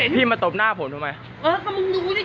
พี่มาตบหน้าผมทำไม